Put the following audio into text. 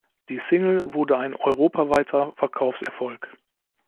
Die Single wurde ein europaweiter Verkaufserfolg.